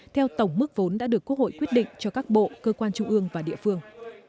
theo tổng mức vốn đã được quốc hội quyết định cho các bộ cơ quan trung ương và địa phương